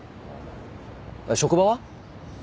職場は？